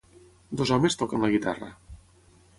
Dos homes toquen la guitarra.